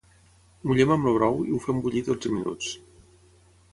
Mullem amb el brou i ho fem bullir dotze minuts.